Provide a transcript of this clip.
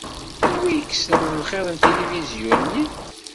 Anwa yekksen lxiḍ i tilivisyu-nni?